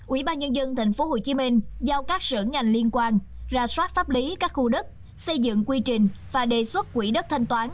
ubnd tp hcm giao các sở ngành liên quan ra soát pháp lý các khu đất xây dựng quy trình và đề xuất quỹ đất thanh toán